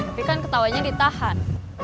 tapi kan ketawanya ditahan